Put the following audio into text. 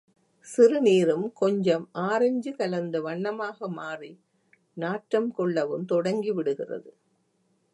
சிறுநீரும் கொஞ்சம் ஆரஞ்சு கலந்த வண்ணமாக மாறி நாற்றம் கொள்ளவும் தொடங்கி விடுகிறது.